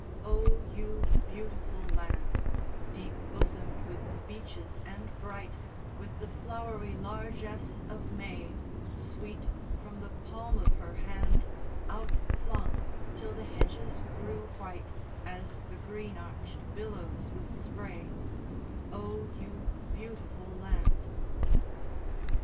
VII _O, you beautiful land, Deep bosomed with beeches and bright With the flowery largesse of May Sweet from the palm of her hand Out flung, till the hedges grew white As the green arched billows with spray, O, you beautiful land!